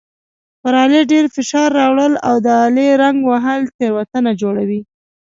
پر آلې ډېر فشار راوړل او د آلې زنګ وهل تېروتنه جوړوي.